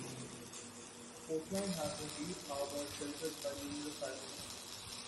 Portland has a deep harbor sheltered by numerous islands.